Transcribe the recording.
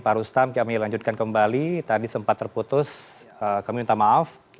pak rustam kami lanjutkan kembali tadi sempat terputus kami minta maaf